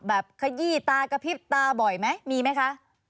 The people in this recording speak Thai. ขยี้ตากระพริบตาบ่อยไหมมีไหมคะ